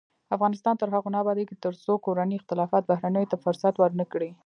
افغانستان تر هغو نه ابادیږي، ترڅو کورني اختلافات بهرنیو ته فرصت ورنکړي.